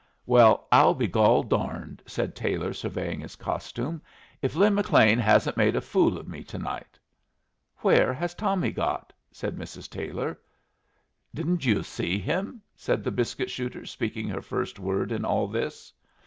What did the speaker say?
"Well, I'll be gol darned," said Taylor, surveying his costume, "if Lin McLean hasn't made a fool of me to night!" "Where has Tommy got?" said Mrs. Taylor. "Didn't yus see him?" said the biscuit shooter speaking her first word in all this.